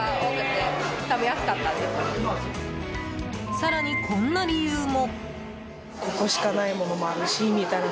更に、こんな理由も。